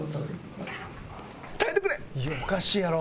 いやおかしいやろ。